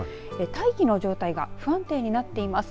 大気の状態が不安定になっています。